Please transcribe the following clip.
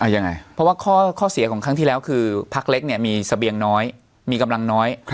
ยังไงเพราะว่าข้อเสียของครั้งที่แล้วคือพักเล็กเนี่ยมีเสบียงน้อยมีกำลังน้อย